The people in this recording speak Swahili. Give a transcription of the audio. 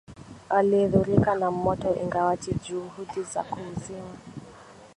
aliyedhurika na moto ingawaje juhudi za kuuzima